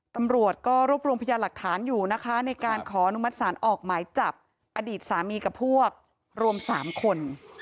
ตำรวจก็รวบรวมพยานหลักฐานอยู่นะคะในการขออนุมัติศาลออกหมายจับอดีตสามีกับพวกรวม๓คน